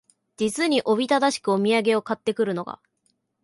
実におびただしくお土産を買って来るのが、